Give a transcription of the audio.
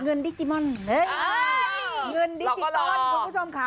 เงินดิจิมันเฮ้ยเงินดิจิตอลคุณผู้ชมค่ะ